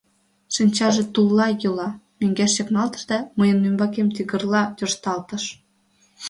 Шинчаже тулла йӱла, мӧҥгеш чакналтыш да мыйын ӱмбакем тигрла тӧршталтыш.